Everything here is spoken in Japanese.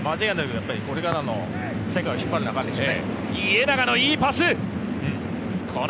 これからの世界を引っ張るのは彼でしょうね。